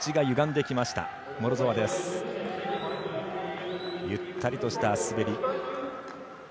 ゆったりとした滑り。